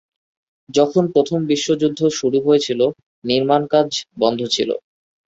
যখন প্রথম বিশ্বযুদ্ধ শুরু হয়েছিল, নির্মাণকাজ বন্ধ ছিল।